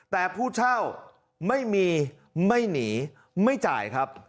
แต่ผู้เช่าไม่มีไม่หนีไม่จ่ายครับ